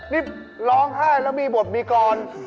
นี่ร้องไห้แล้วมีบทมีกร